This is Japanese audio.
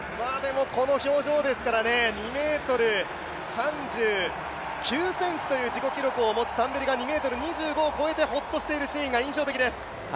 この表情ですから２ｍ３９ｃｍという自己記録を持つタンベリが２ｍ２５を越えてほっとしているのが分かるこの表情です。